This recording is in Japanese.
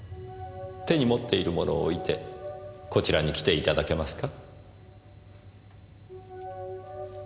手に持っているものを置いてこちらに来て頂けますか？